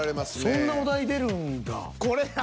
そんなお題出るんだ。